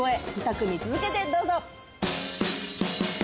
組続けてどうぞ。